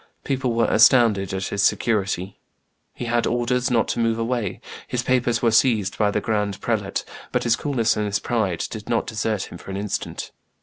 People were astounded at his security. He had orders not to move away; his papers were seized by the grand prelate; but his coolness and his pride did not desert him for an instant.